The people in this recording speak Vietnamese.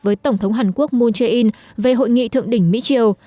với tổng thống hàn quốc moon jae in về hội nghị thượng đỉnh mỹ triều